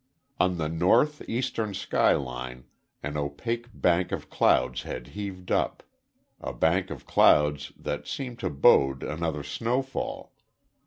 On the north eastern sky line, an opaque bank of clouds had heaved up a bank of clouds that seemed to bode another snowfall.